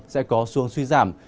sẽ có xuồng suy giảm